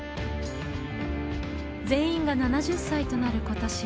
全員が７０歳となる今年